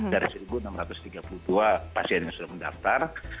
dari satu enam ratus tiga puluh dua pasien yang sudah mendaftar